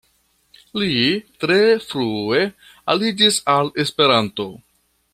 Li tre frue aliĝis al Esperanto.